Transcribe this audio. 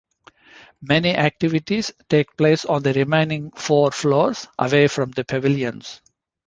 Many activities take place on the remaining four floors, away from the pavilions.